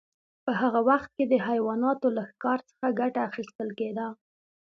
په هغه وخت کې د حیواناتو له ښکار څخه ګټه اخیستل کیده.